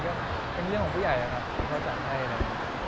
ก็เป็นเรื่องของผู้ใหญ่นะครับที่เขาจัดให้ครับ